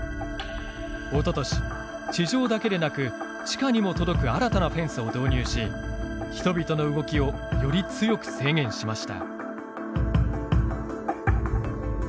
おととし、地上だけでなく地下にも届く新たなフェンスを導入し人々の動きをより強く制限しました。